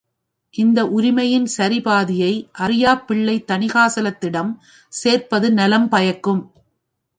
இந்த உரிமையின் சரிபாதியை அறியாப் பிள்ளை தணிகாசலத்திடம் சேர்ப்பது நலம் பயக்கும்.